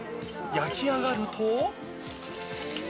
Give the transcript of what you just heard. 焼き上がると。